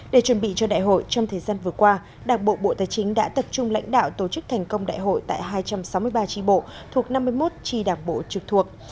để chuẩn bị cho đại hội trong thời gian vừa qua đảng bộ bộ tài chính đã tập trung lãnh đạo tổ chức thành công đại hội tại hai trăm sáu mươi ba tri bộ thuộc năm mươi một tri đảng bộ trực thuộc